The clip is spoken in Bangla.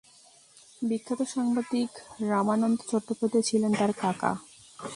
বিখ্যাত সাংবাদিক রামানন্দ চট্টোপাধ্যায় ছিলেন তার কাকা।